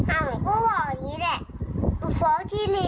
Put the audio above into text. อ่าหนูก็บอกอย่างนี้แหละกูฟ้องที่สิริ